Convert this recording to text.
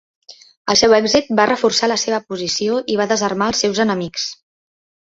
El seu èxit va reforçar la seva posició i va desarmar als seus enemics.